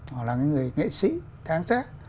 họ là những người nghệ sĩ tháng trác